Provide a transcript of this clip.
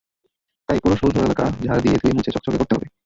তাই পুরো সৌধ এলাকা ঝাড় দিয়ে, ধুয়ে মুছে চকচকে করতে হবে।